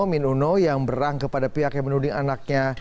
min uno yang berang kepada pihak yang menuding anaknya